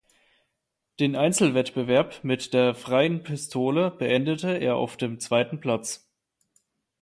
Den Einzelwettbewerb mit der Freien Pistole beendete er auf dem zweiten Platz.